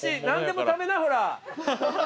何でも食べなほら。